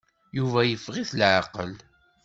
Yuba yeffeɣ-it leɛqel.